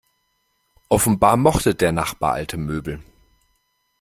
Offenbar mochte der Nachbar alte Möbel.